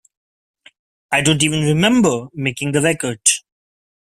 I don't even remember making the record.